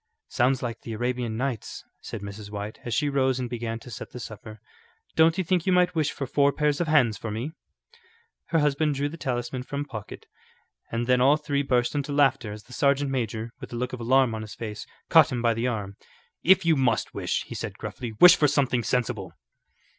"Sounds like the Arabian Nights," said Mrs. White, as she rose and began to set the supper. "Don't you think you might wish for four pairs of hands for me?" Her husband drew the talisman from pocket, and then all three burst into laughter as the sergeant major, with a look of alarm on his face, caught him by the arm. "If you must wish," he said, gruffly, "wish for something sensible."